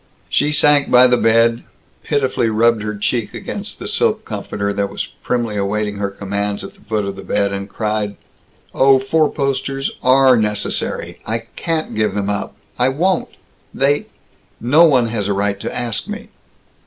She sank by the bed, pitifully rubbed her cheek against the silk comforter that was primly awaiting her commands at the foot of the bed, and cried, "Oh, four posters are necessary! I can't give them up! I won't! They No one has a right to ask me."